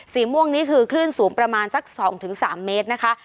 ม่วงนี้คือคลื่นสูงประมาณสัก๒๓เมตรนะคะ